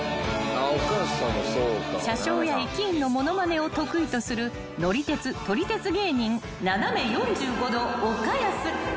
［車掌や駅員の物まねを得意とする乗り鉄・撮り鉄芸人ななめ４５°岡安］